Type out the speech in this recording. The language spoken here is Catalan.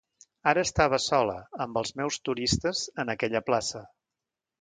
Ara estava sola, amb els meus turistes, en aquella plaça.